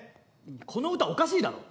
この歌おかしいだろ。